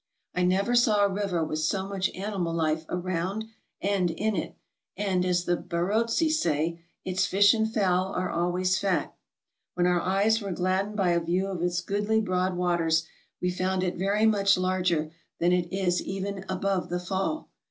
I never saw a river with so much animal life around and in it, and, as the Barotse say, "Its fish and fowl are always fat." When our eyes were glad dened by a view of its goodly broad waters, we found it 392 TRAVELERS AND EXPLORERS very much larger than it is even above the fall.